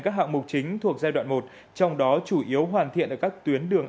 các hạng mục chính thuộc giai đoạn một trong đó chủ yếu hoàn thiện ở các tuyến đường